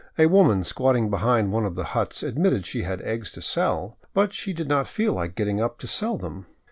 A woman squatting behind one of the huts admitted she had eggs to sell, but said she did not feel like getting up to sell them.